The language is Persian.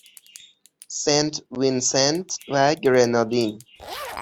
سنت وینسنت و گرنادین